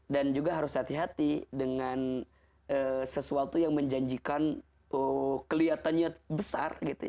dan juga harus hati hati dengan sesuatu yang menjanjikan kelihatannya besar